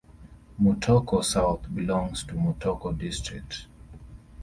Mutoko South belongs to Mutoko district.